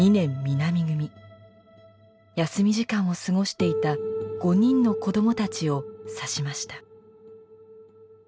休み時間を過ごしていた５人の子どもたちを刺しました。